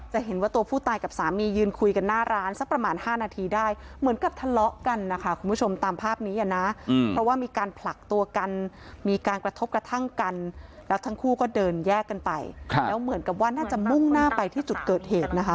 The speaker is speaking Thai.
เห็นว่าตัวผู้ตายกับสามียืนคุยกันหน้าร้านสักประมาณ๕นาทีได้เหมือนกับทะเลาะกันนะคะคุณผู้ชมตามภาพนี้อ่ะนะเพราะว่ามีการผลักตัวกันมีการกระทบกระทั่งกันแล้วทั้งคู่ก็เดินแยกกันไปแล้วเหมือนกับว่าน่าจะมุ่งหน้าไปที่จุดเกิดเหตุนะคะ